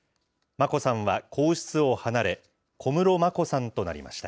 眞子さんは皇室を離れ、小室眞子さんとなりました。